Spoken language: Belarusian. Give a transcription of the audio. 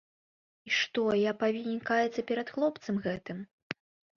І што я, павінен каяцца перад хлопцам гэтым?